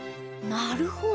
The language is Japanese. なるほど。